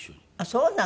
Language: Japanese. そうなの？